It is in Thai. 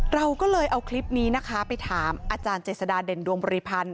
เราก็เลยเอาคลิปนี้นะคะไปถามอาจารย์เจษฎาเด่นดวงบริพันธ์